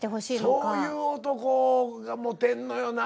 そういう男がモテんのよな。